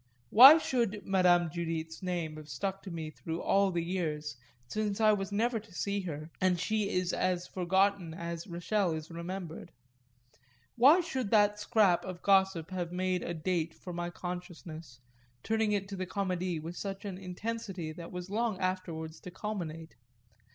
Why should Madame Judith's name have stuck to me through all the years, since I was never to see her and she is as forgotten as Rachel is remembered? Why should that scrap of gossip have made a date for my consciousness, turning it to the Comédie with an intensity that was long afterwards to culminate?